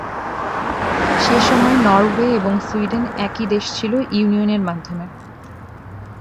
সেসময় নরওয়ে এবং সুইডেন একই দেশ ছিলো ইউনিয়নের মাধ্যমে।